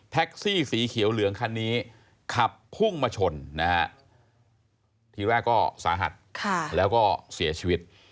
สีเขียวเหลืองคันนี้ขับพุ่งมาชนนะฮะทีแรกก็สาหัสแล้วก็เสียชีวิต